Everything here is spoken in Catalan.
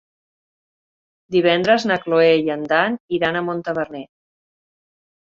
Divendres na Cloè i en Dan iran a Montaverner.